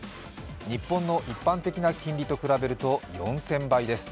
日本の一般的な金利と比べると４０００倍です。